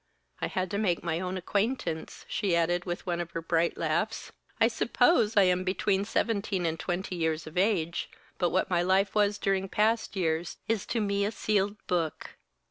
I had to make my own acquaintance," she added, with one of her bright laughs. "I suppose I am between seventeen and twenty years of age, but what my life was during past years is to me a sealed book.